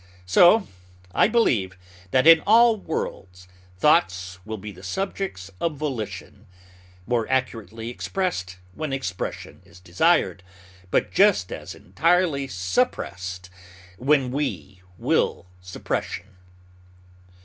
So I believe that in all worlds thoughts will be the subjects of volition, more accurately expressed when expression is desired, but just as entirely suppressed when we will suppression.